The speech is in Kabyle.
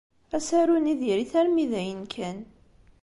Asaru-nni diri-t armi d ayen kan.